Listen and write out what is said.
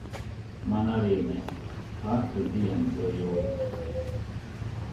Man arī ne. Katru dienu to jūtu.